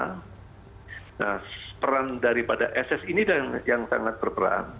nah peran daripada ss ini yang sangat berperan